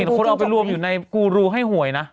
คนเอาไปรวมอยู่ในกูรูให้หวยนะ